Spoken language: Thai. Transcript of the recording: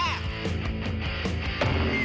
เฮ้ย